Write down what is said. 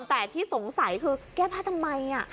แต่ที่สงสัยคือแก้ผ้าทำไม